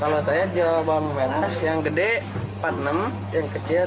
kalau saya jawab bawang merah yang gede rp empat puluh enam yang kecil rp tiga puluh enam